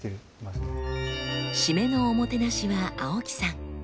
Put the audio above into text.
シメのおもてなしは青木さん。